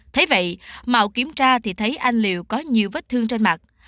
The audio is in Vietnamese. thế vậy mạo kiểm tra thì thấy anh liệu có nhiều vết thương trên mặt